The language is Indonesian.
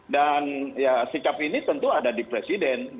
dan sikap ini tentu ada di presiden